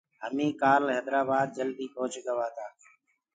همينٚ ڪآل حيدرآبآد جلدي پنٚوهچ گوآ تآ۔